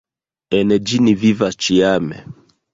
En ĝi ni vivas ĉiame.